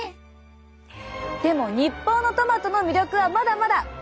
でも日本のトマトの魅力はまだまだ！